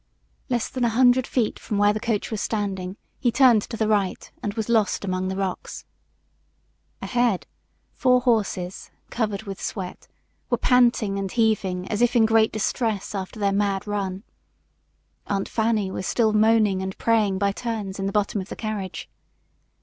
Less than a hundred feet from where the coach was standing he turned to the right and was lost among the rocks. Ahead, four horses, covered with sweat, were panting and heaving as if in great distress after their mad run. Aunt Fanny was still moaning and praying by turns in the bottom of the carriage.